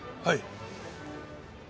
はい。